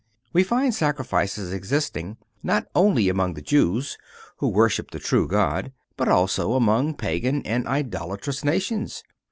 (393) We find sacrifices existing not only among the Jews, who worshiped the true God, but also among Pagan and idolatrous nations.